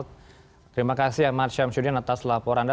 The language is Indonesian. terima kasih ahmad syamsuddin atas laporan anda